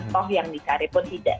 stok yang dikari pun tidak